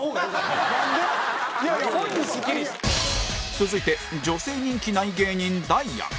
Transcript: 続いて女性人気ない芸人ダイアン